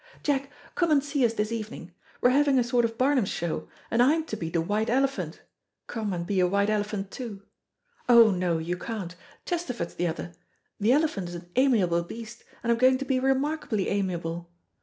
Jack, come and see us this evening; we're having a sort of Barnum's Show, and I'm to be the white elephant. Come and be a white elephant too. Oh, no, you can't; Chesterford's the other. The elephant is an amiable beast, and I am going to be remarkably amiable.